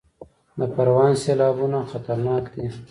د پروان سیلابونه خطرناک دي